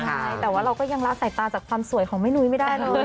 ใช่แต่ว่าเราก็ยังละสายตาจากความสวยของแม่นุ้ยไม่ได้เนอะ